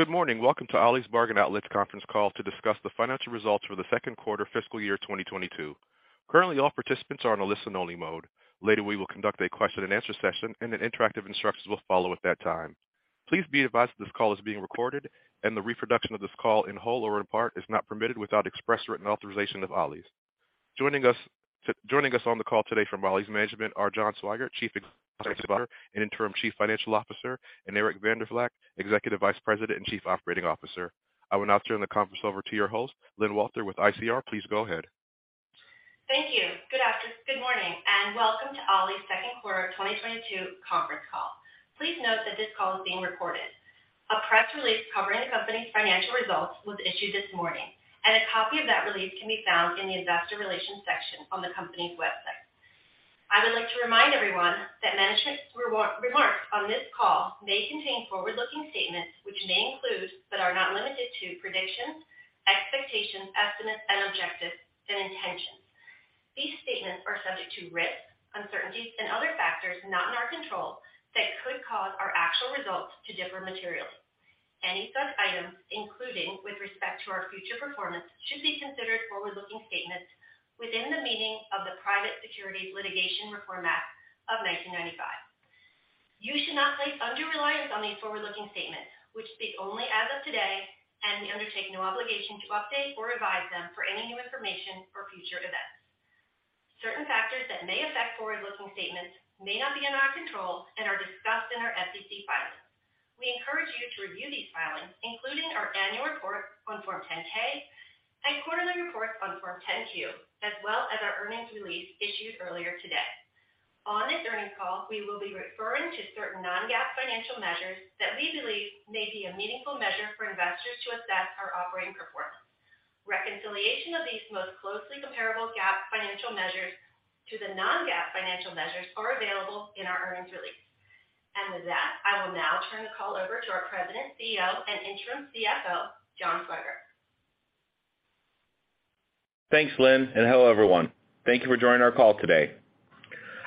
Good morning. Welcome to Ollie's Bargain Outlet's conference call to discuss the financial results for the second quarter fiscal year 2022. Currently, all participants are on a listen only mode. Later, we will conduct a question and answer session, and then interactive instructions will follow at that time. Please be advised that this call is being recorded and the reproduction of this call in whole or in part is not permitted without express written authorization of Ollie's. Joining us on the call today from Ollie's management are John Swygert, Chief Executive Officer and Interim Chief Financial Officer, and Eric van der Valk, Executive Vice President and Chief Operating Officer. I will now turn the conference over to your host, Lyn Walther with ICR. Please go ahead. Thank you. Good morning, and welcome to Ollie's second quarter of 2022 conference call. Please note that this call is being recorded. A press release covering the company's financial results was issued this morning, and a copy of that release can be found in the investor relations section on the company's website. I would like to remind everyone that management's remarks on this call may contain forward-looking statements which may include, but are not limited to predictions, expectations, estimates and objectives, and intentions. These statements are subject to risks, uncertainties and other factors not in our control that could cause our actual results to differ materially. Any such items, including with respect to our future performance, should be considered forward-looking statements within the meaning of the Private Securities Litigation Reform Act of 1995. You should not place undue reliance on these forward-looking statements which speak only as of today, and we undertake no obligation to update or revise them for any new information or future events. Certain factors that may affect forward-looking statements may not be in our control and are discussed in our SEC filings. We encourage you to review these filings, including our annual report on Form 10-K and quarterly reports on Form 10-Q, as well as our earnings release issued earlier today. On this earnings call, we will be referring to certain non-GAAP financial measures that we believe may be a meaningful measure for investors to assess our operating performance. Reconciliation of these most closely comparable GAAP financial measures to the non-GAAP financial measures are available in our earnings release. With that, I will now turn the call over to our President, CEO, and Interim CFO, John Swygert. Thanks, Lyn, and hello, everyone. Thank you for joining our call today.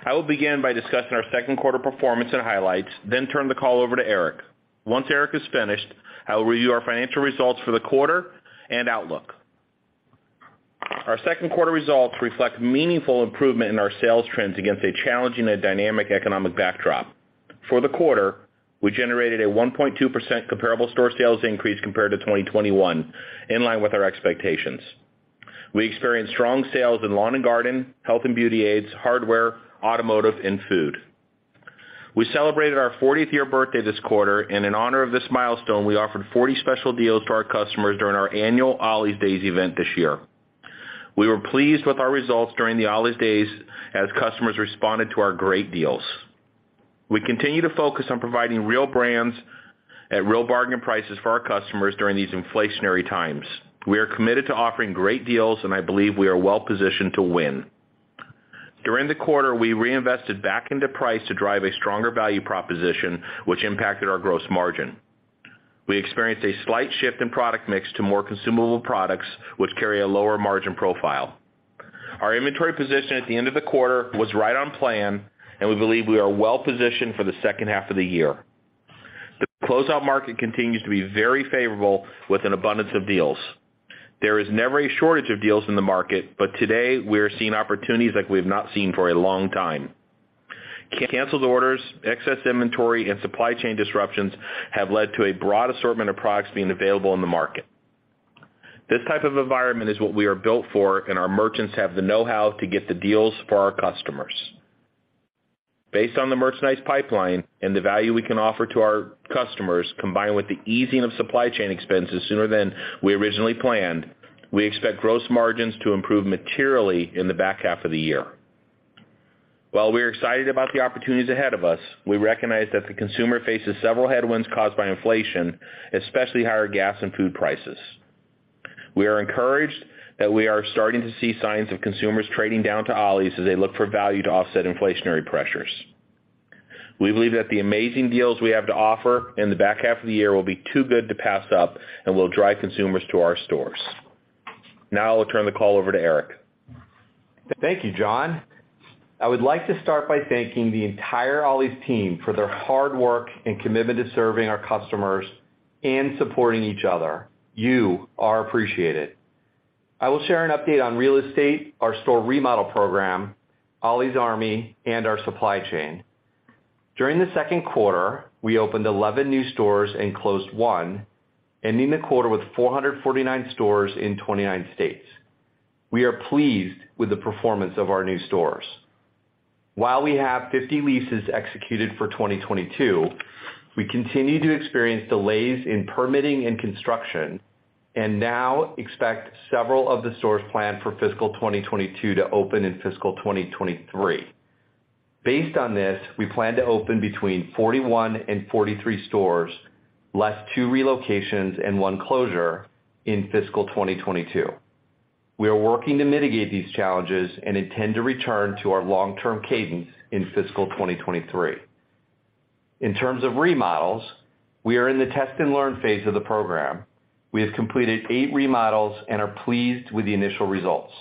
I will begin by discussing our second quarter performance and highlights, then turn the call over to Eric. Once Eric is finished, I will review our financial results for the quarter and outlook. Our second quarter results reflect meaningful improvement in our sales trends against a challenging and dynamic economic backdrop. For the quarter, we generated a 1.2% comparable store sales increase compared to 2021, in line with our expectations. We experienced strong sales in lawn and garden, health and beauty aids, hardware, automotive and food. We celebrated our 40th year birthday this quarter, and in honor of this milestone, we offered 40 special deals to our customers during our annual Ollie's Army Days event this year. We were pleased with our results during the Ollie's Army Days as customers responded to our great deals. We continue to focus on providing real brands at real bargain prices for our customers during these inflationary times. We are committed to offering great deals, and I believe we are well positioned to win. During the quarter, we reinvested back into price to drive a stronger value proposition, which impacted our gross margin. We experienced a slight shift in product mix to more consumable products, which carry a lower margin profile. Our inventory position at the end of the quarter was right on plan, and we believe we are well positioned for the second half of the year. The closeout market continues to be very favorable with an abundance of deals. There is never a shortage of deals in the market, but today we are seeing opportunities like we have not seen for a long time. Canceled orders, excess inventory and supply chain disruptions have led to a broad assortment of products being available in the market. This type of environment is what we are built for, and our merchants have the know-how to get the deals for our customers. Based on the merchandise pipeline and the value we can offer to our customers, combined with the easing of supply chain expenses sooner than we originally planned, we expect gross margins to improve materially in the back half of the year. While we're excited about the opportunities ahead of us, we recognize that the consumer faces several headwinds caused by inflation, especially higher gas and food prices. We are encouraged that we are starting to see signs of consumers trading down to Ollie's as they look for value to offset inflationary pressures. We believe that the amazing deals we have to offer in the back half of the year will be too good to pass up and will drive consumers to our stores. Now I'll turn the call over to Eric. Thank you, John. I would like to start by thanking the entire Ollie's team for their hard work and commitment to serving our customers and supporting each other. You are appreciated. I will share an update on real estate, our store remodel program, Ollie's Army, and our supply chain. During the second quarter, we opened 11 new stores and closed one, ending the quarter with 449 stores in 29 states. We are pleased with the performance of our new stores. While we have 50 leases executed for 2022, we continue to experience delays in permitting and construction and now expect several of the stores planned for fiscal 2022 to open in fiscal 2023. Based on this, we plan to open between 41 and 43 stores, less two relocations and one closure in fiscal 2022. We are working to mitigate these challenges and intend to return to our long term cadence in fiscal 2023. In terms of remodels, we are in the test and learn phase of the program. We have completed eight remodels and are pleased with the initial results.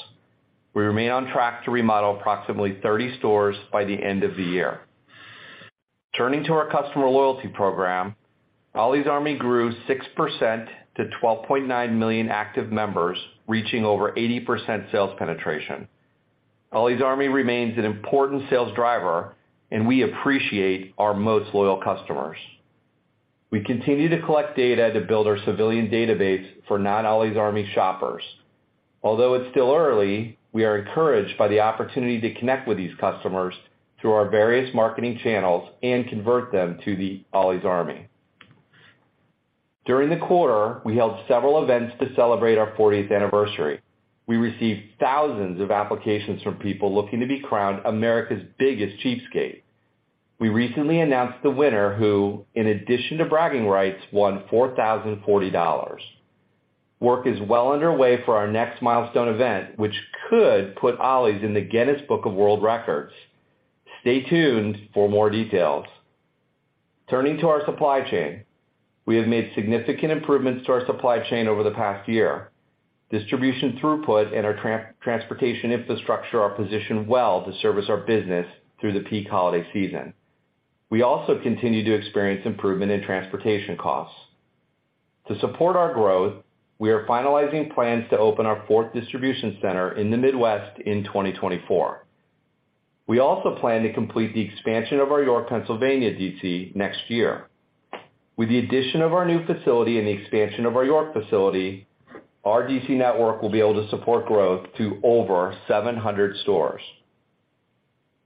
We remain on track to remodel approximately 30 stores by the end of the year. Turning to our customer loyalty program, Ollie's Army grew 6% to 12.9 million active members, reaching over 80% sales penetration. Ollie's Army remains an important sales driver, and we appreciate our most loyal customers. We continue to collect data to build our civilian database for non Ollie's Army shoppers. Although it's still early, we are encouraged by the opportunity to connect with these customers through our various marketing channels and convert them to the Ollie's Army. During the quarter, we held several events to celebrate our fortieth anniversary. We received thousands of applications from people looking to be crowned America's biggest cheapskate. We recently announced the winner who in addition to bragging rights, won $4,040. Work is well underway for our next milestone event, which could put Ollie's in the Guinness Book of World Records. Stay tuned for more details. Turning to our supply chain. We have made significant improvements to our supply chain over the past year. Distribution throughput and our transportation infrastructure are positioned well to service our business through the peak holiday season. We also continue to experience improvement in transportation costs. To support our growth, we are finalizing plans to open our fourth distribution center in the Midwest in 2024. We also plan to complete the expansion of our York, Pennsylvania, DC next year. With the addition of our new facility and the expansion of our York facility, our DC network will be able to support growth to over 700 stores.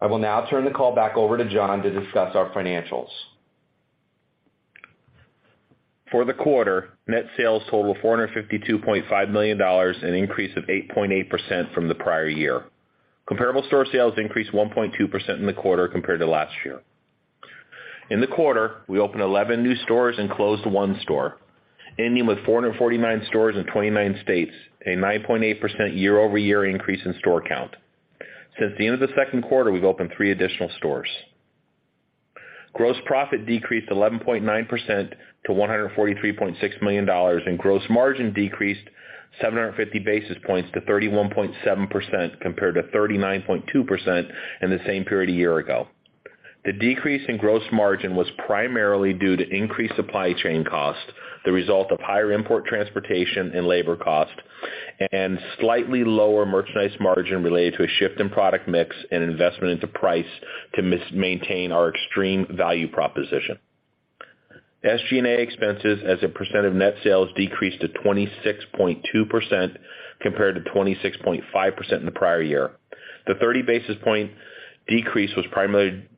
I will now turn the call back over to John to discuss our financials. For the quarter, net sales totaled $452.5 million, an increase of 8.8% from the prior year. Comparable store sales increased 1.2% in the quarter compared to last year. In the quarter, we opened 11 new stores and closed one store, ending with 449 stores in 29 states, a 9.8% year-over-year increase in store count. Since the end of the second quarter, we've opened three additional stores. Gross profit decreased 11.9% to $143.6 million, and gross margin decreased 750 basis points to 31.7% compared to 39.2% in the same period a year ago. The decrease in gross margin was primarily due to increased supply chain costs, the result of higher import, transportation, and labor costs, and slightly lower merchandise margin related to a shift in product mix and investment into price to maintain our extreme value proposition. SG&A expenses as a percent of net sales decreased to 26.2% compared to 26.5% in the prior year. The 30 basis point decrease was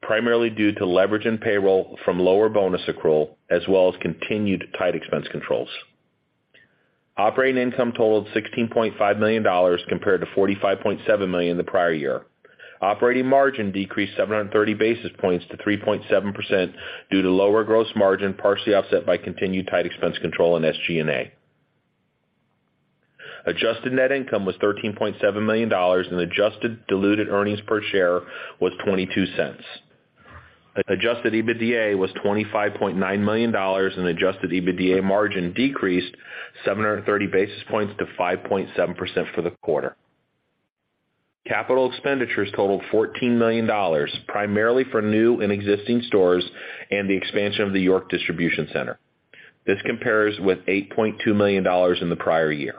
primarily due to leverage in payroll from lower bonus accrual, as well as continued tight expense controls. Operating income totaled $16.5 million compared to $45.7 million the prior year. Operating margin decreased 730 basis points to 3.7% due to lower gross margin, partially offset by continued tight expense control in SG&A. Adjusted net income was $13.7 million, and adjusted diluted earnings per share was $0.22. Adjusted EBITDA was $25.9 million, and adjusted EBITDA margin decreased 730 basis points to 5.7% for the quarter. Capital expenditures totaled $14 million, primarily for new and existing stores and the expansion of the York Distribution Center. This compares with $8.2 million in the prior year.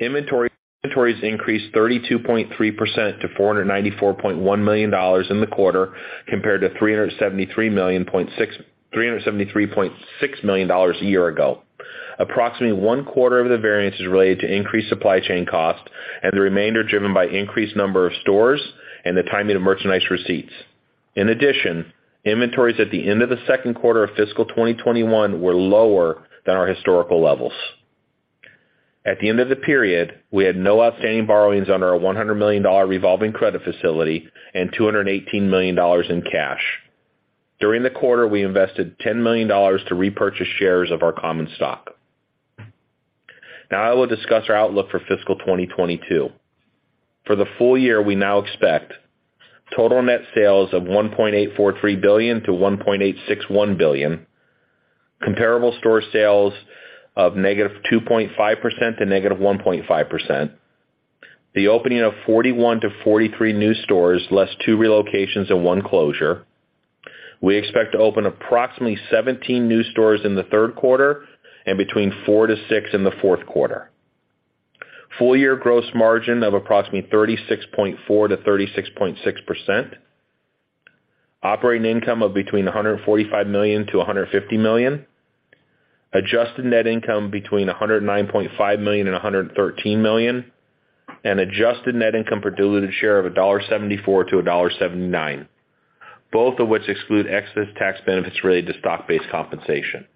Inventories increased 32.3% to $494.1 million in the quarter, compared to $373.6 million a year ago. Approximately one quarter of the variance is related to increased supply chain cost and the remainder driven by increased number of stores and the timing of merchandise receipts. In addition, inventories at the end of the second quarter of fiscal 2021 were lower than our historical levels. At the end of the period, we had no outstanding borrowings under our $100 million revolving credit facility and $218 million in cash. During the quarter, we invested $10 million to repurchase shares of our common stock. Now I will discuss our outlook for fiscal 2022. For the full year, we now expect total net sales of $1.843 billion-$1.861 billion. Comparable store sales of -2.5% to -1.5%. The opening of 41-43 new stores, less two relocations and one closure. We expect to open approximately 17 new stores in the third quarter and between four to six in the fourth quarter. Full year gross margin of approximately 36.4%-36.6%. Operating income of between $145 million-$150 million. Adjusted net income between $109.5 million and $113 million. Adjusted net income per diluted share of $1.74-$1.79, both of which exclude excess tax benefits related to stock-based compensation.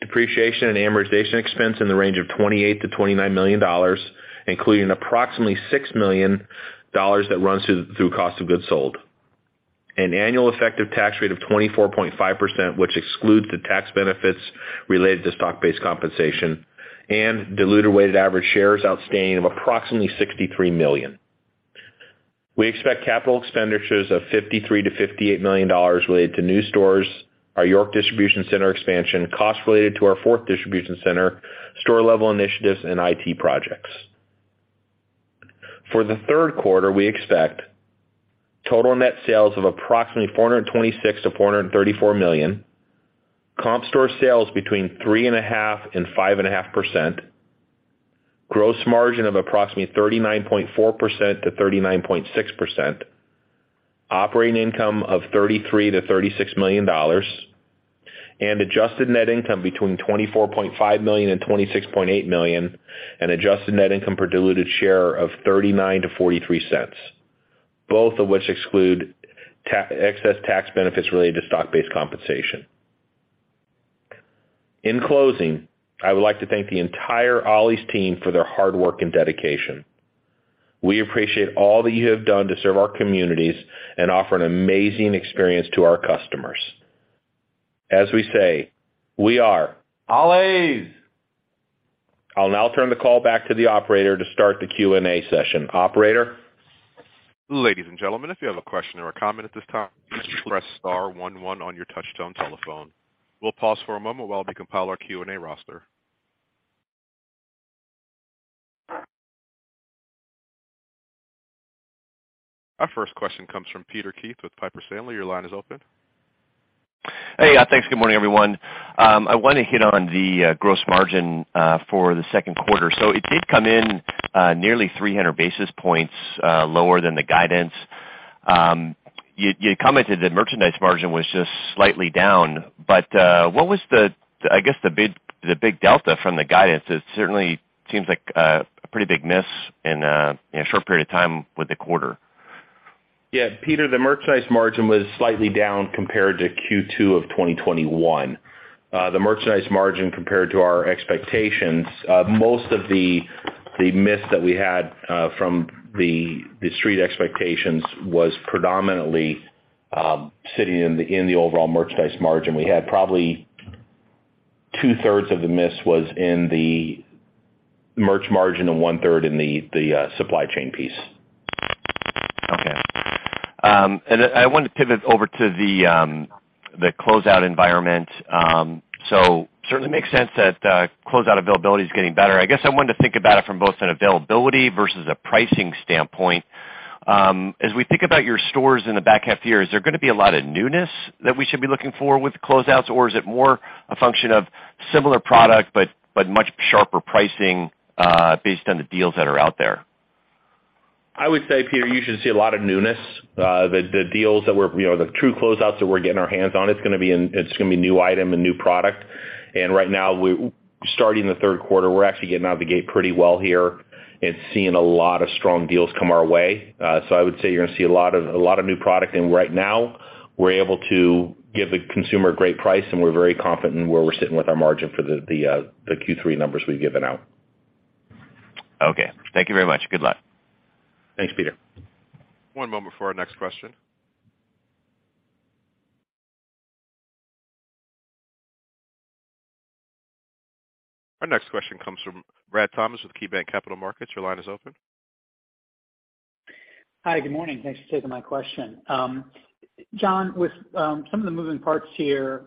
Depreciation and amortization expense in the range of $28 million-$29 million, including approximately $6 million that runs through cost of goods sold. An annual effective tax rate of 24.5%, which excludes the tax benefits related to stock-based compensation. Diluted weighted average shares outstanding of approximately 63 million. We expect capital expenditures of $53 million-$58 million related to new stores, our York Distribution Center expansion, costs related to our fourth distribution center, store-level initiatives, and IT projects. For the third quarter, we expect total net sales of approximately $426 million-$434 million, comp store sales between 3.5% and 5.5%, gross margin of approximately 39.4%-39.6%, operating income of $33 million-$36 million, and adjusted net income between $24.5 million and $26.8 million, and adjusted net income per diluted share of $0.39-$0.43, both of which exclude excess tax benefits related to stock-based compensation. In closing, I would like to thank the entire Ollie's team for their hard work and dedication. We appreciate all that you have done to serve our communities and offer an amazing experience to our customers. As we say, we are Ollie's. I'll now turn the call back to the operator to start the Q&A session. Operator? Ladies and gentlemen, if you have a question or a comment at this time, press star one one on your touch-tone telephone. We'll pause for a moment while we compile our Q&A roster. Our first question comes from Peter Keith with Piper Sandler. Your line is open. Hey. Thanks. Good morning, everyone. I wanna hit on the gross margin for the second quarter. It did come in nearly 300 basis points lower than the guidance. You commented that merchandise margin was just slightly down, but what was the, I guess, the big delta from the guidance? It certainly seems like a pretty big miss in a short period of time with the quarter. Yeah, Peter, the merchandise margin was slightly down compared to Q2 of 2021. The merchandise margin compared to our expectations, most of the miss that we had from the street expectations was predominantly sitting in the overall merchandise margin. We had probably two-thirds of the miss was in the merch margin and one-third in the supply chain piece. Okay. I want to pivot over to the closeout environment. Certainly makes sense that closeout availability is getting better. I guess I wanted to think about it from both an availability versus a pricing standpoint. As we think about your stores in the back half year, is there gonna be a lot of newness that we should be looking for with closeouts, or is it more a function of similar product but much sharper pricing based on the deals that are out there? I would say, Peter, you should see a lot of newness. The deals that we're, you know, the true closeouts that we're getting our hands on, it's gonna be new item and new product. Starting the third quarter, we're actually getting out of the gate pretty well here and seeing a lot of strong deals come our way. I would say you're gonna see a lot of new product. Right now, we're able to give the consumer a great price, and we're very confident in where we're sitting with our margin for the Q3 numbers we've given out. Okay. Thank you very much. Good luck. Thanks, Peter. One moment for our next question. Our next question comes from Brad Thomas with KeyBanc Capital Markets. Your line is open. Hi. Good morning. Thanks for taking my question. John, with some of the moving parts here,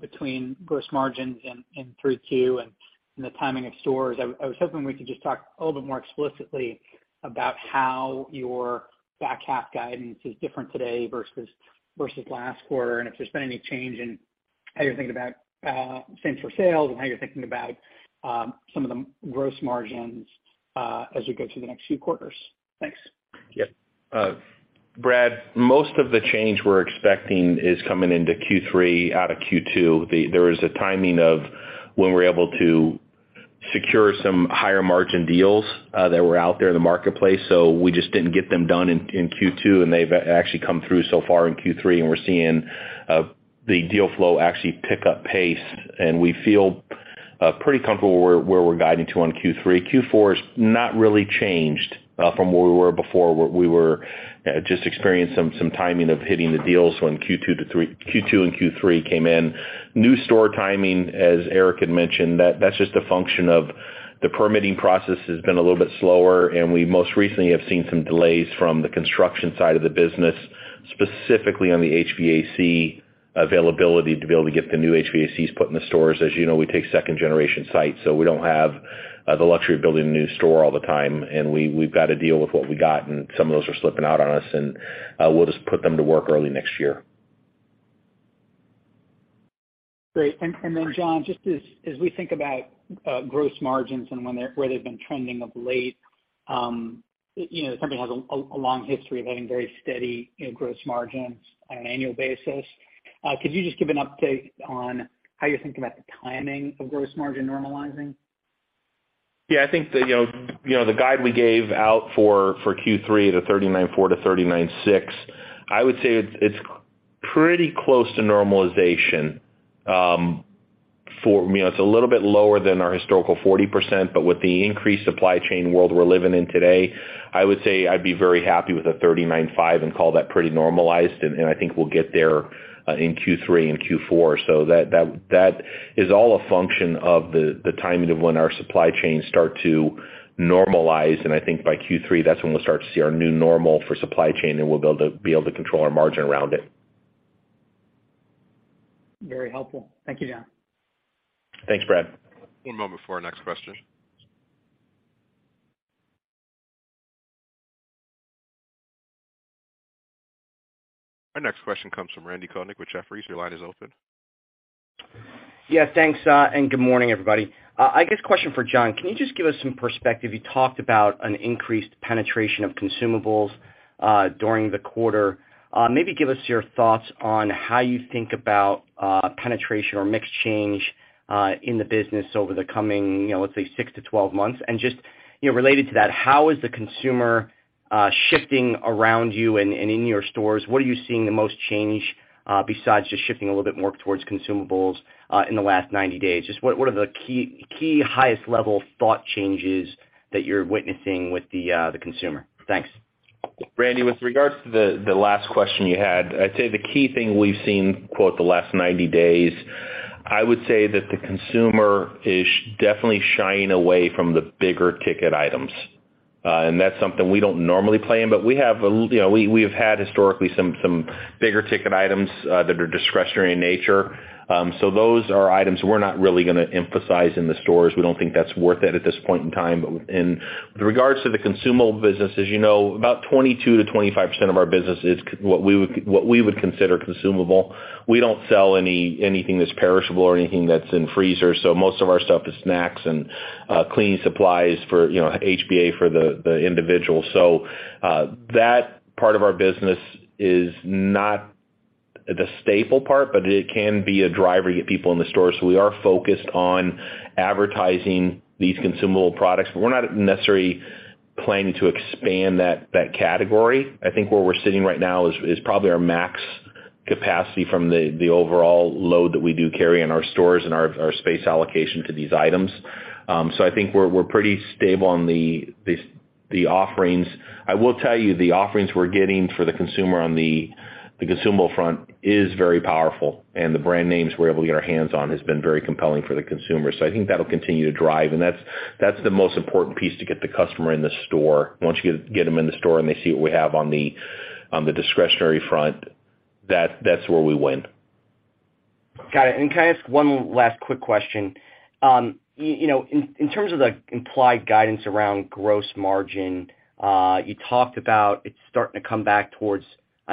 between gross margins in Q3 and Q2 and the timing of stores, I was hoping we could just talk a little bit more explicitly about how your back half guidance is different today versus last quarter, and if there's been any change in how you're thinking about same-store sales and how you're thinking about some of the gross margins, as we go through the next few quarters. Thanks. Yeah. Brad, most of the change we're expecting is coming into Q3 out of Q2. There was a timing of when we're able to secure some higher margin deals that were out there in the marketplace, so we just didn't get them done in Q2, and they've actually come through so far in Q3, and we're seeing the deal flow actually pick up pace. We feel pretty comfortable where we're guiding to on Q3. Q4 is not really changed from where we were before. We were just experiencing some timing of hitting the deals when Q2 and Q3 came in. New store timing, as Eric had mentioned, that's just a function of the permitting process has been a little bit slower, and we most recently have seen some delays from the construction side of the business, specifically on the HVAC availability to be able to get the new HVACs put in the stores. As you know, we take second-generation sites, so we don't have the luxury of building a new store all the time. We've got to deal with what we got, and some of those are slipping out on us. We'll just put them to work early next year. Great. John, just as we think about gross margins and where they've been trending of late, you know, the company has a long history of having very steady, you know, gross margins on an annual basis. Could you just give an update on how you're thinking about the timing of gross margin normalizing? Yeah. I think you know the guide we gave out for Q3, the 39.4%-39.6%, I would say it's pretty close to normalization. You know, it's a little bit lower than our historical 40%, but with the increased supply chain world we're living in today, I would say I'd be very happy with a 39.5% and call that pretty normalized, and I think we'll get there in Q3 and Q4. So that is all a function of the timing of when our supply chains start to normalize. I think by Q3, that's when we'll start to see our new normal for supply chain, and we'll be able to control our margin around it. Very helpful. Thank you, John. Thanks, Brad. One moment before our next question. Our next question comes from Randal Konik with Jefferies. Your line is open. Yeah, thanks, and good morning, everybody. I guess question for John. Can you just give us some perspective? You talked about an increased penetration of consumables during the quarter. Maybe give us your thoughts on how you think about penetration or mix change in the business over the coming, you know, let's say six to 12 months. Just, you know, related to that, how is the consumer shifting around you and in your stores? What are you seeing the most change, besides just shifting a little bit more towards consumables, in the last 90 days? Just what are the key highest level thought changes that you're witnessing with the consumer? Thanks. Randy, with regards to the last question you had, I'd say the key thing we've seen in the last 90 days. I would say that the consumer is definitely shying away from the bigger ticket items. That's something we don't normally play in, but we have you know we have had historically some bigger ticket items that are discretionary in nature. Those are items we're not really gonna emphasize in the stores. We don't think that's worth it at this point in time. In regards to the consumable business, as you know, about 22%-25% of our business is what we would consider consumable. We don't sell anything that's perishable or anything that's in freezers, so most of our stuff is snacks and cleaning supplies for, you know, HBA for the individual. That part of our business is not the staple part, but it can be a driver to get people in the store. We are focused on advertising these consumable products, but we're not necessarily planning to expand that category. I think where we're sitting right now is probably our max capacity from the overall load that we do carry in our stores and our space allocation to these items. I think we're pretty stable on the offerings. I will tell you, the offerings we're getting for the consumer on the consumable front is very powerful, and the brand names we're able to get our hands on has been very compelling for the consumer. I think that'll continue to drive, and that's the most important piece to get the customer in the store. Once you get them in the store and they see what we have on the discretionary front, that's where we win. Got it. Can I ask one last quick question? You know, in terms of the implied guidance around gross margin, you talked about it's starting to come back towards,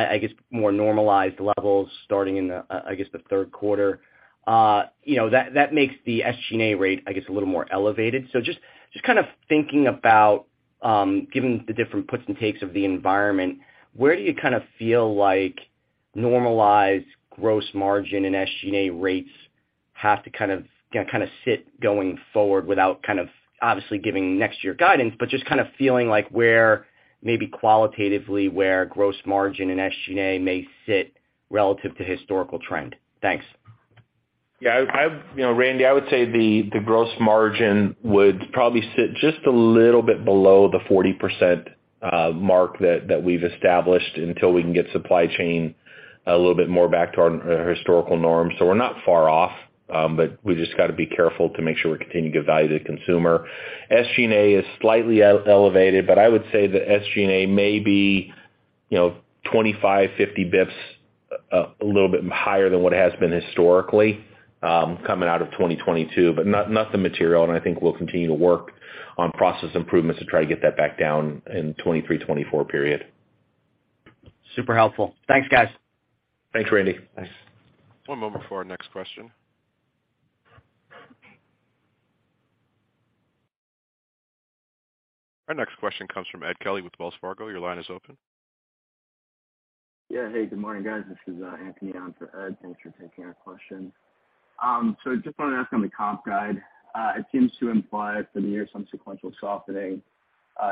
I guess, more normalized levels starting in the, I guess the third quarter. You know, that makes the SG&A rate, I guess, a little more elevated. Just kind of thinking about, given the different puts and takes of the environment, where do you kinda feel like normalized gross margin and SG&A rates have to kind of, kinda sit going forward without kind of, obviously giving next year guidance, but just kind of feeling like where maybe qualitatively gross margin and SG&A may sit relative to historical trend? Thanks. Yeah, I've you know, Randy, I would say the gross margin would probably sit just a little bit below the 40% mark that we've established until we can get supply chain a little bit more back to our historical norms. We're not far off, but we just gotta be careful to make sure we continue to give value to the consumer. SG&A is slightly elevated, but I would say the SG&A may be, you know, 25-50 basis points a little bit higher than what it has been historically, coming out of 2022, but nothing material, and I think we'll continue to work on process improvements to try to get that back down in 2023, 2024 period. Super helpful. Thanks, guys. Thanks, Randy. Thanks. One moment for our next question. Our next question comes from Edward Kelly with Wells Fargo. Your line is open. Yeah. Hey, good morning, guys. This is Anthony on for Ed. Thanks for taking our questions. Just wanted to ask on the comp guide. It seems to imply for the year some sequential softening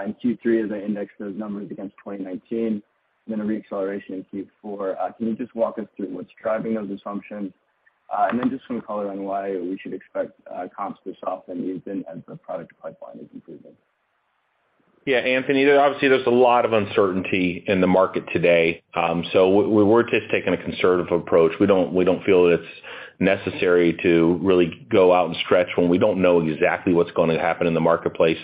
in Q3 as I index those numbers against 2019, then a re-acceleration in Q4. Can you just walk us through what's driving those assumptions? Just some color on why we should expect comps to soften even as the product pipeline is improving. Yeah, Anthony, obviously, there's a lot of uncertainty in the market today. We're just taking a conservative approach. We don't feel that it's necessary to really go out and stretch when we don't know exactly what's gonna happen in the marketplace.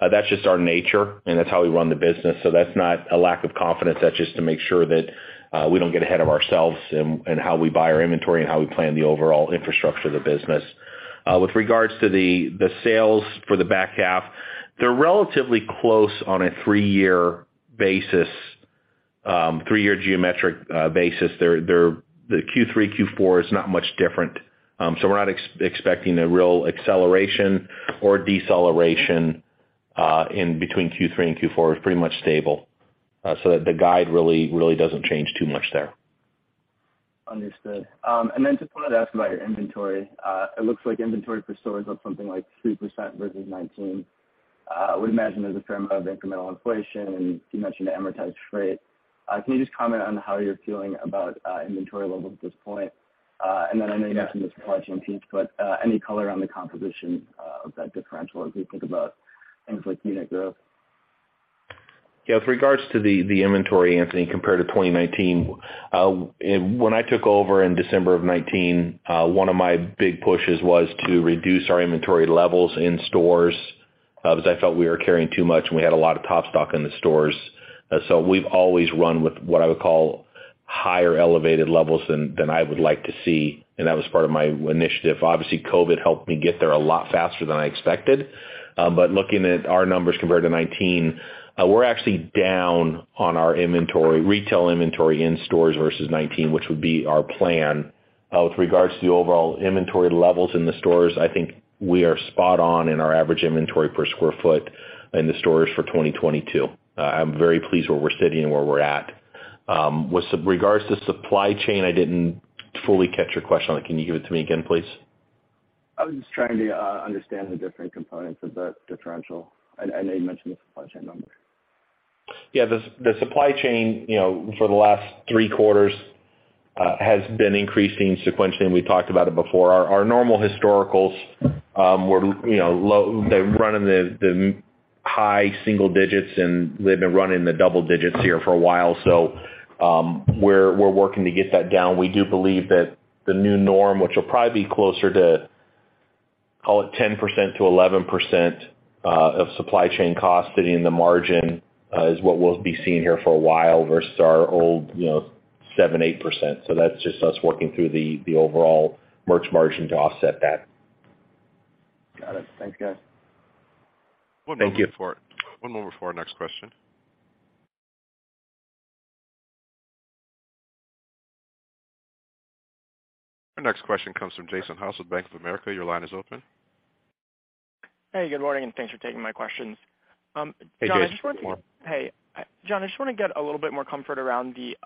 That's just our nature, and that's how we run the business. That's not a lack of confidence. That's just to make sure that we don't get ahead of ourselves in how we buy our inventory and how we plan the overall infrastructure of the business. With regards to the sales for the back half, they're relatively close on a three-year basis, three-year geometric basis. They're the Q3, Q4 is not much different. We're not expecting a real acceleration or deceleration in between Q3 and Q4. It's pretty much stable. The guide really doesn't change too much there. Understood. Just wanted to ask about your inventory. It looks like inventory for stores was something like 3% versus 19%. I would imagine there's a turn of incremental inflation, and you mentioned amortized freight. Can you just comment on how you're feeling about inventory levels at this point? I know you mentioned the supply chain piece, but any color on the composition of that differential as we think about things like unit growth? Yeah, with regards to the inventory, Anthony, compared to 2019, and when I took over in December of 2019, one of my big pushes was to reduce our inventory levels in stores. Because I felt we were carrying too much, and we had a lot of top stock in the stores. We've always run with what I would call higher elevated levels than I would like to see, and that was part of my initiative. Obviously, COVID helped me get there a lot faster than I expected. Looking at our numbers compared to 2019, we're actually down on our inventory, retail inventory in stores versus 2019, which would be our plan. With regards to the overall inventory levels in the stores, I think we are spot on in our average inventory per sq ft in the stores for 2022. I'm very pleased where we're sitting and where we're at. With some regards to supply chain, I didn't fully catch your question on it. Can you give it to me again, please? I was just trying to understand the different components of the differential. I know you mentioned the supply chain numbers. Yeah. The supply chain, you know, for the last three quarters has been increasing sequentially, and we talked about it before. Our normal historicals were, you know, low. They run in the high single digits, and they've been running in the double digits here for a while. We're working to get that down. We do believe that the new norm, which will probably be closer to, call it 10%-11% of supply chain costs sitting in the margin, is what we'll be seeing here for a while versus our old, you know, 7%-8%. That's just us working through the overall merch margin to offset that. Got it. Thanks, guys. Thank you. One moment before our next question. Our next question comes from Jason Haas with Bank of America. Your line is open. Hey, good morning, and thanks for taking my questions. John- Hey, Jason. Hey. John, I just wanna get a little bit more comfort around the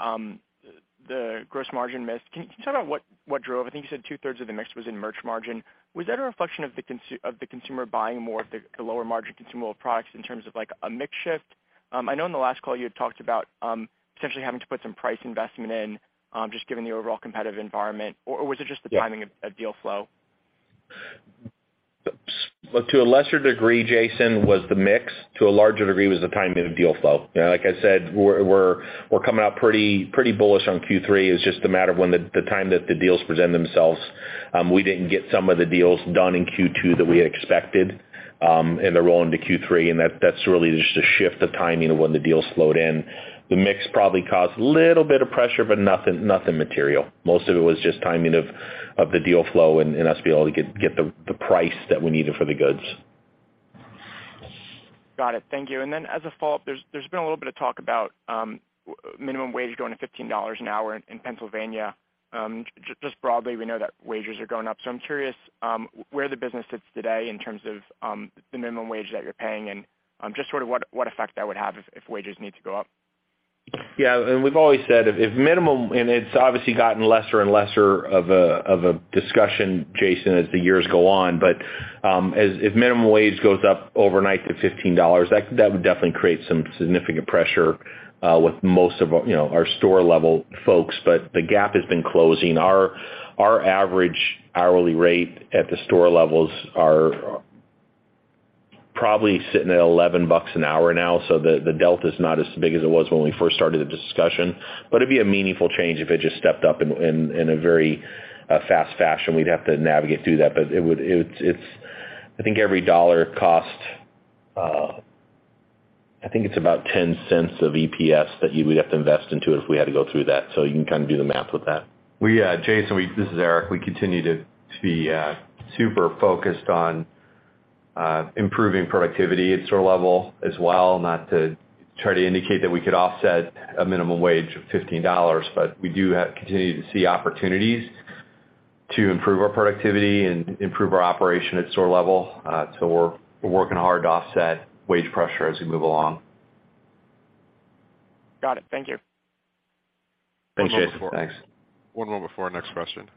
gross margin miss. Can you talk about what drove? I think you said two-thirds of the mix was in merch margin. Was that a reflection of the consumer buying more of the lower margin consumable products in terms of, like, a mix shift? I know in the last call you had talked about potentially having to put some price investment in, just given the overall competitive environment. Or was it just the timing of deal flow? Look, to a lesser degree, Jason, was the mix. To a larger degree was the timing of deal flow. You know, like I said, we're coming out pretty bullish on Q3. It's just a matter of when the time that the deals present themselves. We didn't get some of the deals done in Q2 that we had expected, and they're rolling to Q3, and that's really just a shift of timing of when the deals flow in. The mix probably caused a little bit of pressure, but nothing material. Most of it was just timing of the deal flow and us being able to get the price that we needed for the goods. Got it. Thank you. As a follow-up, there's been a little bit of talk about minimum wage going to $15 an hour in Pennsylvania. Just broadly, we know that wages are going up, so I'm curious where the business sits today in terms of the minimum wage that you're paying and just sort of what effect that would have if wages need to go up. We've always said. It's obviously gotten less and less of a discussion, Jason, as the years go on. If minimum wage goes up overnight to $15, that would definitely create some significant pressure with most of our, you know, store level folks. The gap has been closing. Our average hourly rate at the store levels are probably sitting at $11 an hour now, so the delta is not as big as it was when we first started the discussion. It'd be a meaningful change if it just stepped up in a very fast fashion. We'd have to navigate through that. I think every dollar cost, I think it's about $0.10 of EPS that you would have to invest into it if we had to go through that. You can kind of do the math with that. This is Eric. We continue to be super focused on improving productivity at store level as well, not to try to indicate that we could offset a minimum wage of $15. We continue to see opportunities to improve our productivity and improve our operation at store level. We're working hard to offset wage pressure as we move along. Got it. Thank you. Thanks, Jason. Thanks. One moment before our next question.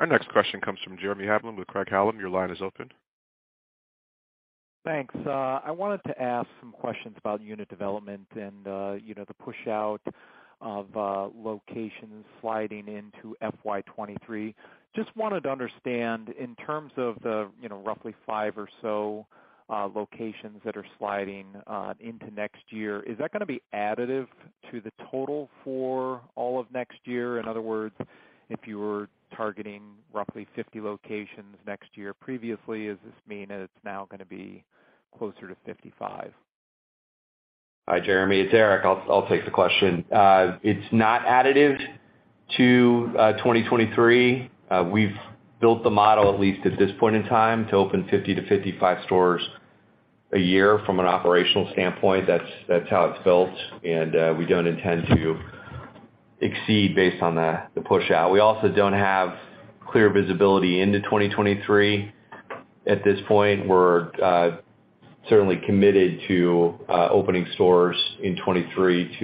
Our next question comes from Jeremy Hamblin with Craig-Hallum. Your line is open. Thanks. I wanted to ask some questions about unit development and, you know, the push out of locations sliding into FY 2023. Just wanted to understand in terms of the, you know, roughly five or so locations that are sliding into next year, is that gonna be additive to the total for all of next year? In other words, if you were targeting roughly 50 locations next year previously, does this mean that it's now gonna be closer to 55? Hi, Jeremy. It's Eric. I'll take the question. It's not additive to 2023. We've built the model, at least at this point in time, to open 50-55 stores a year from an operational standpoint. That's how it's built, and we don't intend to exceed based on the push out. We also don't have clear visibility into 2023 at this point. We're certainly committed to opening stores in 2023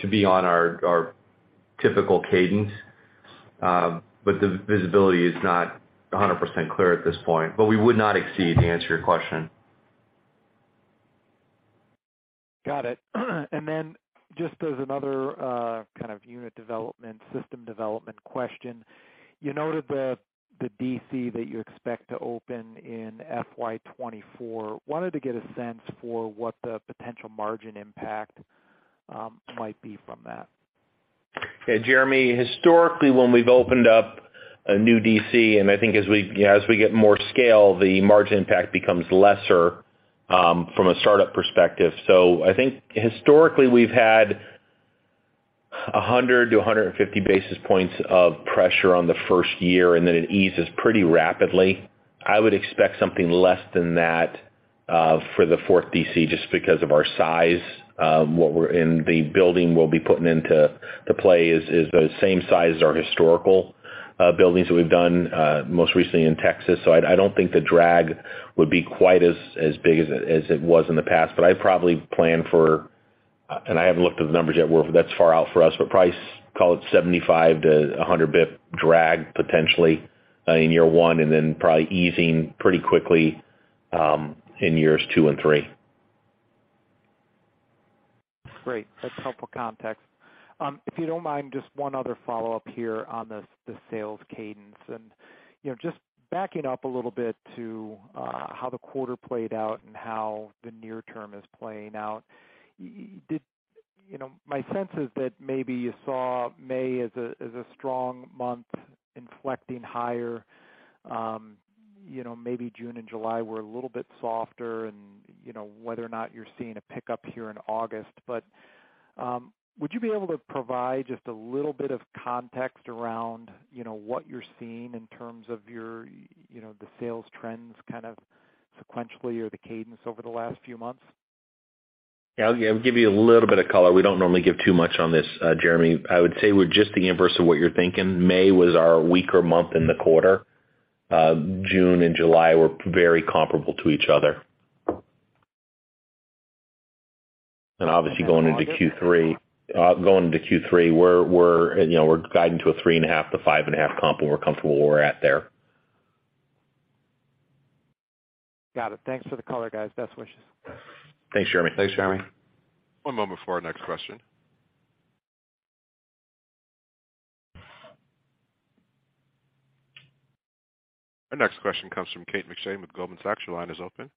to be on our typical cadence. The visibility is not 100% clear at this point. We would not exceed, to answer your question. Got it. Just as another kind of unit development, system development question. You noted the DC that you expect to open in FY 2024. Wanted to get a sense for what the potential margin impact might be from that. Yeah, Jeremy, historically, when we've opened up a new DC, I think as we get more scale, the margin impact becomes lesser from a startup perspective. I think historically we've had 100 to 150 basis points of pressure on the first year, and then it eases pretty rapidly. I would expect something less than that for the fourth DC just because of our size, and the building we'll be putting into the place is the same size as our historical buildings that we've done most recently in Texas. I don't think the drag would be quite as big as it was in the past, but I'd probably plan for. I haven't looked at the numbers yet. That's far out for us, but probably call it 75 to 100 basis points drag potentially in year 1, and then probably easing pretty quickly in years two and three. Great. That's helpful context. If you don't mind, just one other follow-up here on the sales cadence and, you know, just backing up a little bit to how the quarter played out and how the near term is playing out. You know, my sense is that maybe you saw May as a strong month inflecting higher, you know, maybe June and July were a little bit softer and, you know, whether or not you're seeing a pickup here in August. Would you be able to provide just a little bit of context around, you know, what you're seeing in terms of your, you know, the sales trends kind of sequentially or the cadence over the last few months? Yeah, I'll give you a little bit of color. We don't normally give too much on this, Jeremy. I would say we're just the inverse of what you're thinking. May was our weaker month in the quarter. June and July were very comparable to each other. Obviously going into Q3, we're guiding to a 3.5%-5.5% comp, and we're comfortable where we're at there. Got it. Thanks for the color, guys. Best wishes. Thanks, Jeremy. Thanks, Jeremy. One moment for our next question. Our next question comes from Kate McShane with Goldman Sachs. Your line is open.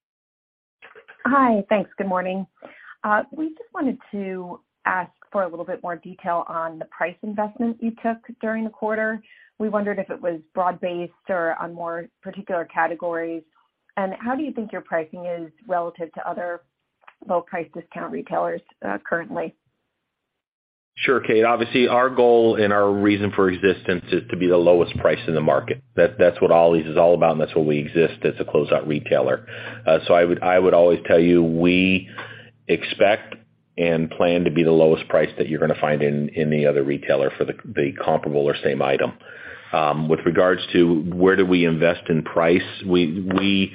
Hi. Thanks. Good morning. We just wanted to ask for a little bit more detail on the price investment you took during the quarter. We wondered if it was broad-based or on more particular categories. How do you think your pricing is relative to other low price discount retailers, currently? Sure, Kate. Obviously, our goal and our reason for existence is to be the lowest price in the market. That's what Ollie's is all about, and that's what we exist as a closeout retailer. I would always tell you we expect and plan to be the lowest price that you're gonna find in any other retailer for the comparable or same item. With regards to where do we invest in price, that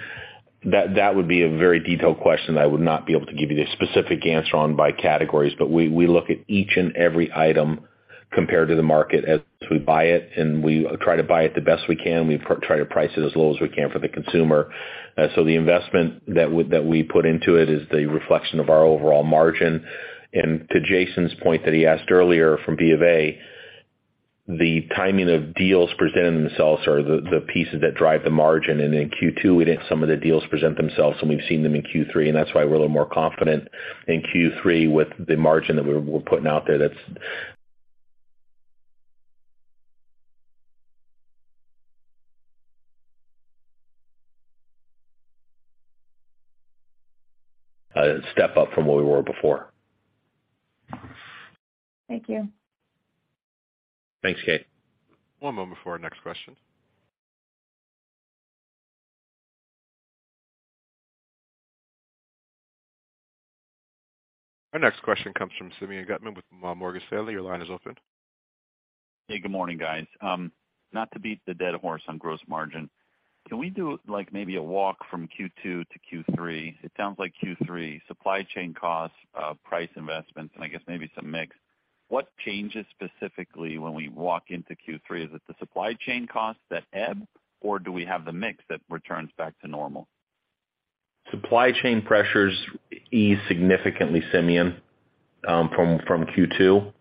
would be a very detailed question that I would not be able to give you the specific answer on by categories. We look at each and every item compared to the market as we buy it, and we try to buy it the best we can. We try to price it as low as we can for the consumer. The investment that we put into it is the reflection of our overall margin. To Jason's point that he asked earlier from B of A, the timing of deals presenting themselves are the pieces that drive the margin. In Q2, we didn't have some of the deals present themselves, and we've seen them in Q3, and that's why we're a little more confident in Q3 with the margin that we're putting out there, that's a step up from where we were before. Thank you. Thanks, Kate. One moment for our next question. Our next question comes from Simeon Gutman with Morgan Stanley. Your line is open. Hey, good morning, guys. Not to beat the dead horse on gross margin. Can we do, like, maybe a walk from Q2 to Q3? It sounds like Q3 supply chain costs, price investments, and I guess maybe some mix. What changes specifically when we walk into Q3? Is it the supply chain costs that ebb, or do we have the mix that returns back to normal? Supply chain pressures ease significantly, Simeon, from Q2,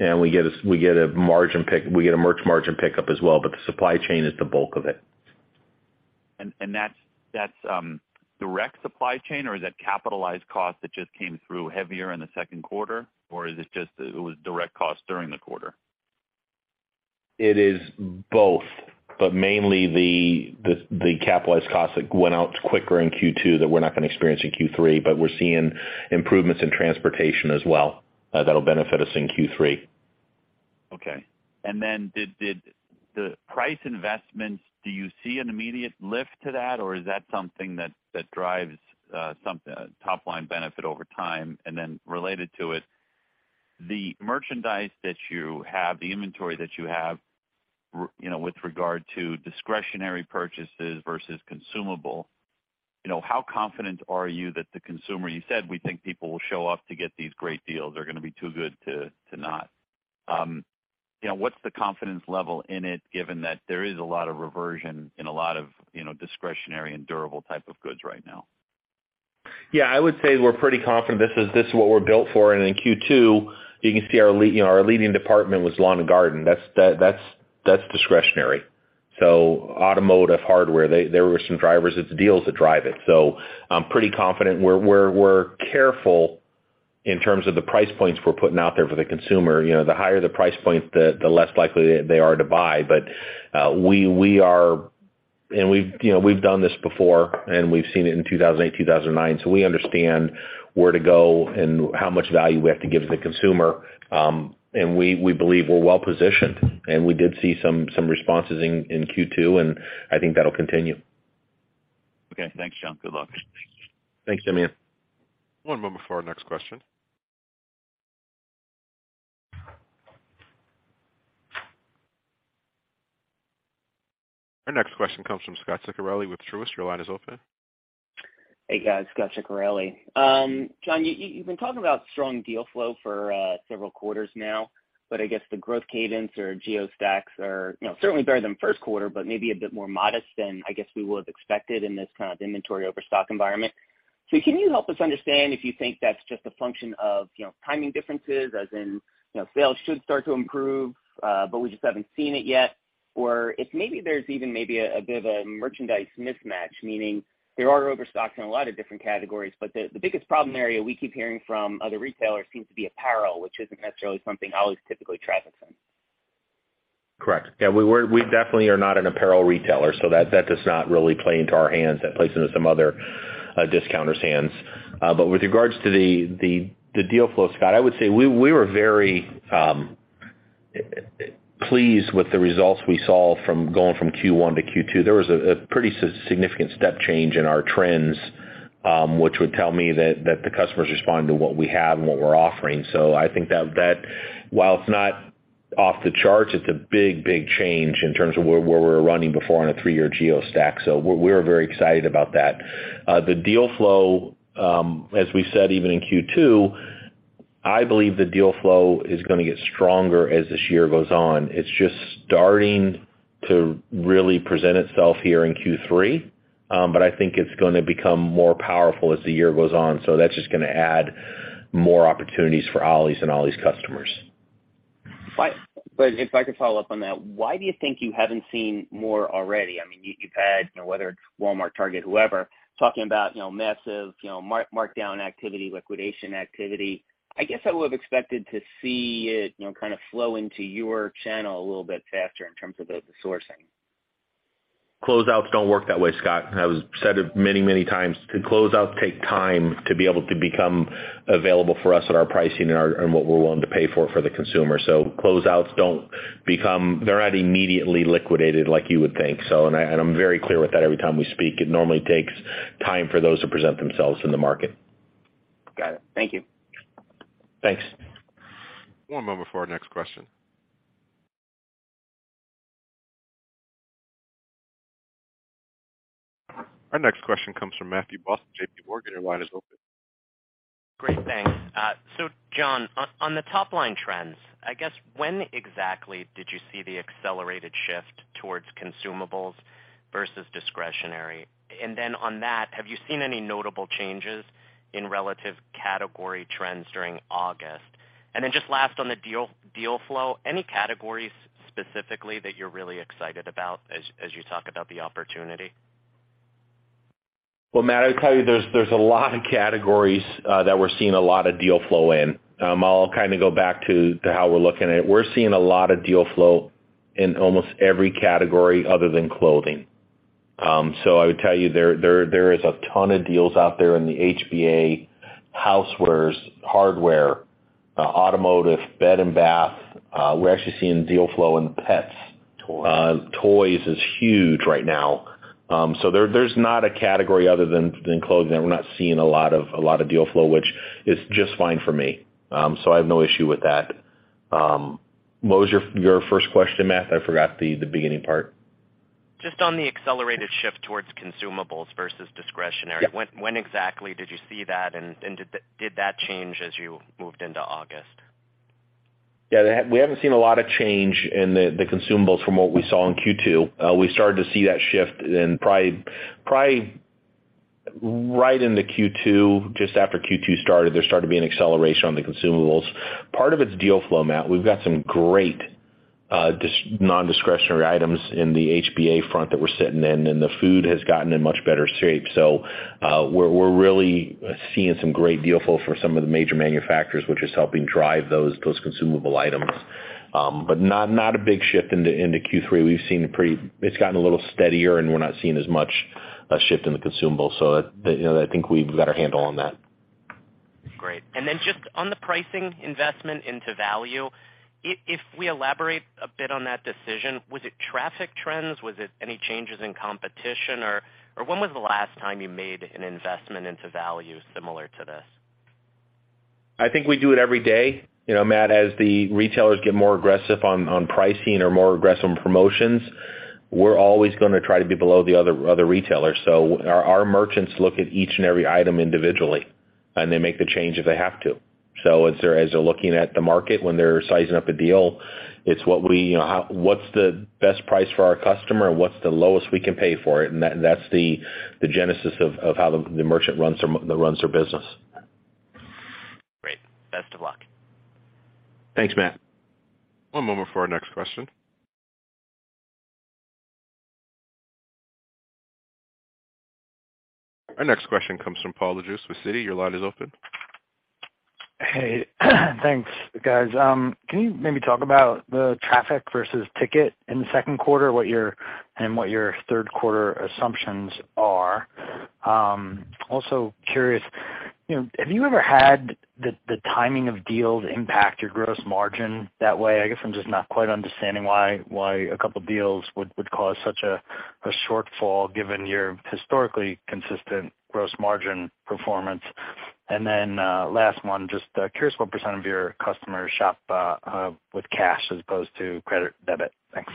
and we get a merch margin pickup as well, but the supply chain is the bulk of it. That's direct supply chain, or is that capitalized cost that just came through heavier in the second quarter, or is it just it was direct cost during the quarter? It is both, but mainly the capitalized costs that went out quicker in Q2 that we're not gonna experience in Q3, but we're seeing improvements in transportation as well, that'll benefit us in Q3. Okay. Did the price investments, do you see an immediate lift to that, or is that something that drives something, a top line benefit over time? Related to it, the merchandise that you have, the inventory that you have, you know, with regard to discretionary purchases versus consumable, you know, how confident are you that the consumer. You said, "We think people will show up to get these great deals. They're gonna be too good to not." You know, what's the confidence level in it given that there is a lot of reversion in a lot of, you know, discretionary and durable type of goods right now? Yeah, I would say we're pretty confident this is what we're built for. In Q2, you can see, you know, our leading department was lawn and garden. That's discretionary. So automotive, hardware, there were some drivers. It's the deals that drive it. So I'm pretty confident we're careful in terms of the price points we're putting out there for the consumer. You know, the higher the price point, the less likely they are to buy. We've, you know, done this before, and we've seen it in 2008, 2009, so we understand where to go and how much value we have to give the consumer. We believe we're well-positioned and we did see some responses in Q2, and I think that'll continue. Okay. Thanks, John. Good luck. Thanks, Simeon. One moment before our next question. Our next question comes from Scot Ciccarelli with Truist. Your line is open. Hey, guys. Scot Ciccarelli. John, you've been talking about strong deal flow for several quarters now, but I guess the growth cadence or geo stacks are, you know, certainly better than first quarter, but maybe a bit more modest than I guess we would have expected in this kind of inventory overstock environment. Can you help us understand if you think that's just a function of, you know, timing differences, as in, you know, sales should start to improve, but we just haven't seen it yet? Or if maybe there's even a bit of a merchandise mismatch, meaning there are overstocks in a lot of different categories, but the biggest problem area we keep hearing from other retailers seems to be apparel, which isn't necessarily something Ollie's typically traffics in. Correct. Yeah, we're definitely not an apparel retailer, so that does not really play into our hands. That plays into some other discounters' hands. With regards to the deal flow, Scott, I would say we were very pleased with the results we saw from going from Q1 to Q2. There was a pretty significant step change in our trends, which would tell me that the customers respond to what we have and what we're offering. I think that while it's not off the charts, it's a big change in terms of where we were running before on a three-year geo stack. We're very excited about that. The deal flow, as we said, even in Q2, I believe the deal flow is gonna get stronger as this year goes on. It's just starting to really present itself here in Q3, but I think it's gonna become more powerful as the year goes on. That's just gonna add more opportunities for Ollie's and Ollie's customers. If I could follow up on that, why do you think you haven't seen more already? I mean, you've had, you know, whether it's Walmart, Target, whoever, talking about, you know, massive, you know, markdown activity, liquidation activity. I guess I would have expected to see it, you know, kind of flow into your channel a little bit faster in terms of the sourcing. Closeouts don't work that way, Scott. I've said it many, many times. The closeouts take time to be able to become available for us at our pricing and what we're willing to pay for the consumer. They're not immediately liquidated like you would think. I'm very clear with that every time we speak. It normally takes time for those to present themselves in the market. Got it. Thank you. Thanks. One moment before our next question. Our next question comes from Matthew Boss, JPMorgan. Your line is open. Great, thanks. John, on the top line trends, I guess when exactly did you see the accelerated shift towards consumables versus discretionary? On that, have you seen any notable changes in relative category trends during August? Just last on the deal flow, any categories specifically that you're really excited about as you talk about the opportunity? Well, Matt, I'd tell you there's a lot of categories that we're seeing a lot of deal flow in. I'll kinda go back to how we're looking at it. We're seeing a lot of deal flow in almost every category other than clothing. I would tell you there is a ton of deals out there in the HBA, housewares, hardware, automotive, bed and bath. We're actually seeing deal flow in pets. Toys is huge right now. There's not a category other than clothing that we're not seeing a lot of deal flow, which is just fine for me. I have no issue with that. What was your first question, Matt? I forgot the beginning part. Just on the accelerated shift towards consumables versus discretionary. Yep. When exactly did you see that? Did that change as you moved into August? We haven't seen a lot of change in the consumables from what we saw in Q2. We started to see that shift in probably right into Q2. Just after Q2 started, there started to be an acceleration on the consumables. Part of it's deal flow, Matt. We've got some great non-discretionary items in the HBA front that we're sitting in, and the food has gotten in much better shape. We're really seeing some great deal flow for some of the major manufacturers, which is helping drive those consumable items. But not a big shift into Q3. We've seen a pretty. It's gotten a little steadier, and we're not seeing as much shift in the consumables. You know, I think we've got our handle on that. Great. Just on the pricing investment into value, if we elaborate a bit on that decision, was it traffic trends? Was it any changes in competition? Or when was the last time you made an investment into value similar to this? I think we do it every day. You know, Matt, as the retailers get more aggressive on pricing or more aggressive on promotions, we're always gonna try to be below the other retailers. Our merchants look at each and every item individually. They make the change if they have to. As they're looking at the market when they're sizing up a deal, it's what's the best price for our customer? What's the lowest we can pay for it? That's the genesis of how the merchant runs their business. Great. Best of luck. Thanks, Matt. One moment for our next question. Our next question comes from Paul Lejuez with Citi. Your line is open. Hey thanks, guys. Can you maybe talk about the traffic versus ticket in the second quarter, and what your third quarter assumptions are? Also curious, you know, have you ever had the timing of deals impact your gross margin that way? I guess I'm just not quite understanding why a couple deals would cause such a shortfall given your historically consistent gross margin performance. Last one, just curious what percent of your customers shop with cash as opposed to credit or debit. Thanks.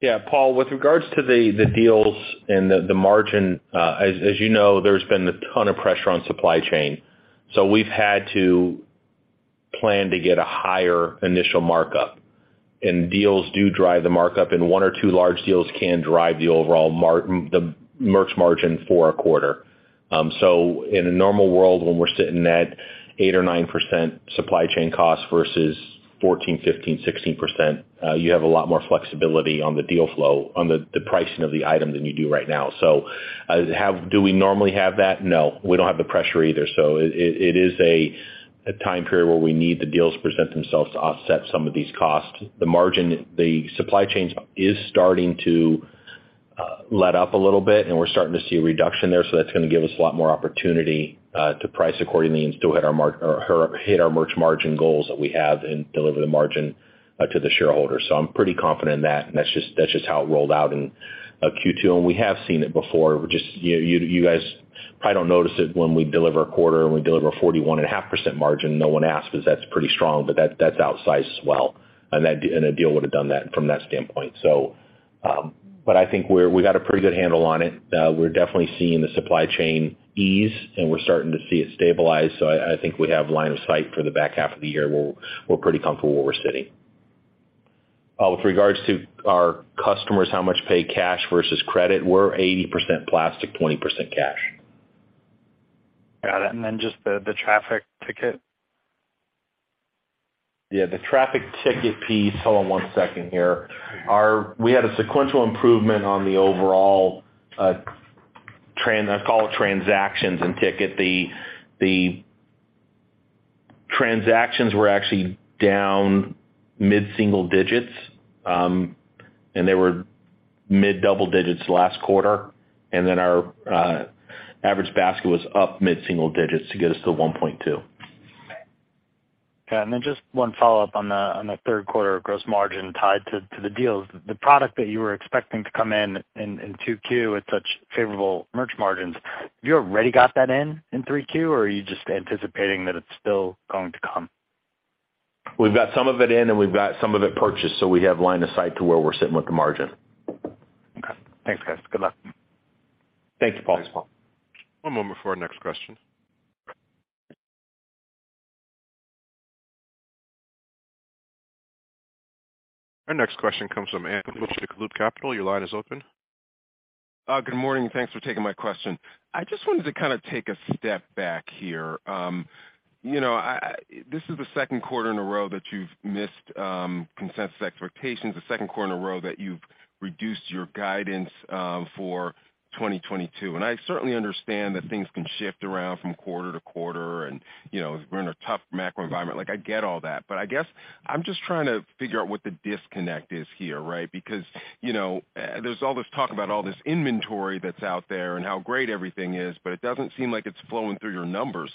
Yeah. Paul, with regards to the deals and the margin, as you know, there's been a ton of pressure on supply chain. We've had to plan to get a higher initial markup, and deals do drive the markup, and one or two large deals can drive the overall merch margin for a quarter. In a normal world, when we're sitting at eight or nine percent supply chain costs versus 14%, 15%, 16%, you have a lot more flexibility on the deal flow, on the pricing of the item than you do right now. Do we normally have that? No. We don't have the pressure either. It is a time period where we need the deals to present themselves to offset some of these costs. The margin, the supply chains is starting to let up a little bit, and we're starting to see a reduction there, so that's gonna give us a lot more opportunity to price accordingly and still hit our merch margin goals that we have and deliver the margin to the shareholders. I'm pretty confident in that, and that's just how it rolled out in Q2. We have seen it before. You guys probably don't notice it when we deliver a quarter and we deliver a 41.5% margin. No one asks because that's pretty strong, but that's outsized as well, and a deal would have done that from that standpoint. I think we got a pretty good handle on it. We're definitely seeing the supply chain ease, and we're starting to see it stabilize, so I think we have line of sight for the back half of the year. We're pretty comfortable where we're sitting. With regards to our customers, how much pay cash versus credit, we're 80% plastic, 20% cash. Got it. Just the traffic ticket. Yeah, the traffic ticket piece. Hold on one second here. We had a sequential improvement on the overall. I call it transactions and ticket. The transactions were actually down mid-single digits, and they were mid-double digits last quarter. Our average basket was up mid-single digits to get us to 1.2. Okay. Then just one follow-up on the third quarter gross margin tied to the deals. The product that you were expecting to come in in Q2 with such favorable merch margins, have you already got that in Q3, or are you just anticipating that it's still going to come? We've got some of it in, and we've got some of it purchased, so we have line of sight to where we're sitting with the margin. Okay. Thanks, guys. Good luck. Thank you, Paul. One moment for our next question. Our next question comes from Andrew Lipshaw, Loop Capital. Your line is open. Good morning, and thanks for taking my question. I just wanted to kinda take a step back here. You know, this is the second quarter in a row that you've missed consensus expectations, the second quarter in a row that you've reduced your guidance for 2022. I certainly understand that things can shift around from quarter to quarter and, you know, we're in a tough macro environment. Like, I get all that. I guess I'm just trying to figure out what the disconnect is here, right? Because, you know, there's all this talk about all this inventory that's out there and how great everything is, but it doesn't seem like it's flowing through your numbers.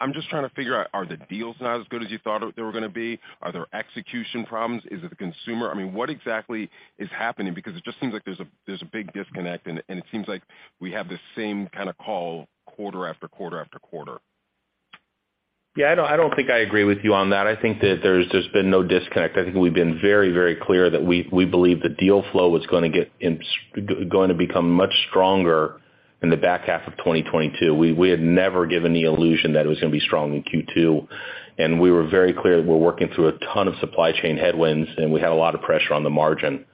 I'm just trying to figure out, are the deals not as good as you thought they were gonna be? Are there execution problems? Is it the consumer? I mean, what exactly is happening? Because it just seems like there's a big disconnect, and it seems like we have the same kinda call quarter after quarter after quarter. Yeah, I don't think I agree with you on that. I think that there's been no disconnect. I think we've been very clear that we believe the deal flow was gonna become much stronger in the back half of 2022. We had never given the illusion that it was gonna be strong in Q2. We were very clear that we're working through a ton of supply chain headwinds, and we had a lot of pressure on the margin.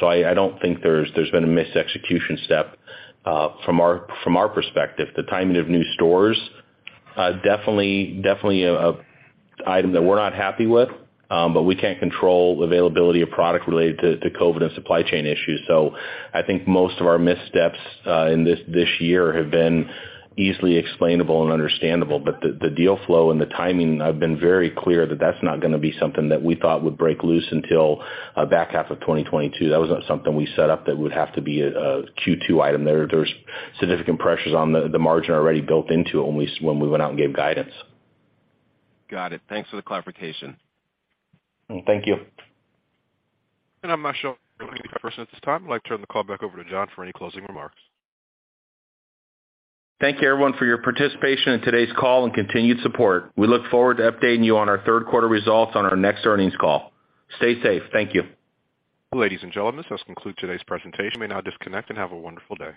So I don't think there's been a misexecution step from our perspective. The timing of new stores definitely a item that we're not happy with, but we can't control availability of product related to COVID and supply chain issues. I think most of our missteps in this year have been easily explainable and understandable. The deal flow and the timing, I've been very clear that that's not gonna be something that we thought would break loose until back half of 2022. That was not something we set up that would have to be a Q2 item. There's significant pressures on the margin already built into when we went out and gave guidance. Got it. Thanks for the clarification. Thank you. I'm not showing any more questions at this time. I'd like to turn the call back over to John for any closing remarks. Thank you everyone for your participation in today's call and continued support. We look forward to updating you on our third quarter results on our next earnings call. Stay safe. Thank you. Ladies and gentlemen, this does conclude today's presentation. You may now disconnect and have a wonderful day.